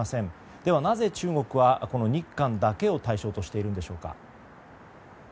ではなぜ、中国は日韓だけを対象としているんでしょうか。